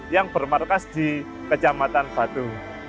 yang bermarkas di kecamatan batu